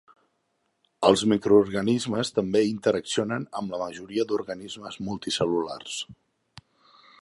Els microorganismes també interaccionen amb la majoria d'organismes multicel·lulars.